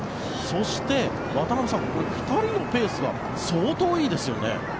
そして、渡辺さん２人のペースが相当、いいですよね。